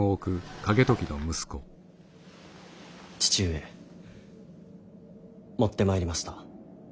父上持ってまいりました。